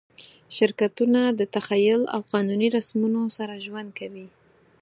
شرکتونه له تخیل او قانوني رسمونو سره ژوند کوي.